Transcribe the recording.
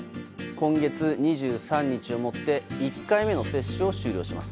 今月２３日をもって１回目の接種を終了します。